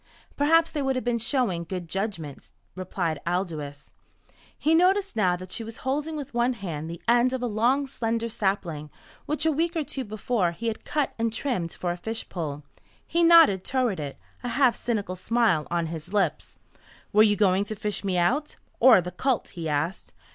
"Perhaps they would have been showing good judgment," replied Aldous. He noticed now that she was holding with one hand the end of a long slender sapling which a week or two before he had cut and trimmed for a fish pole. He nodded toward it, a half cynical smile on his lips. "Were you going to fish me out or the colt?" he asked.